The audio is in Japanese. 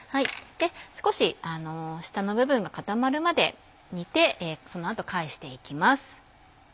少し下の部分が固まるまで煮てその後返していきます。